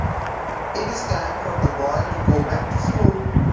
It is time for the boy to go back to school.